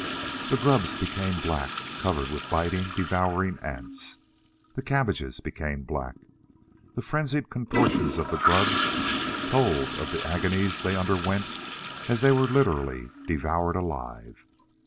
The grubs became black covered with biting, devouring ants. The cabbages became black. The frenzied contortions of the grubs told of the agonies they underwent as they were literally devoured alive.